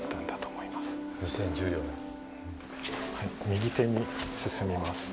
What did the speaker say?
右手に進みます。